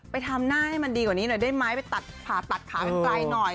ทำหน้าให้มันดีกว่านี้หน่อยได้ไหมไปตัดผ่าตัดขากันไกลหน่อย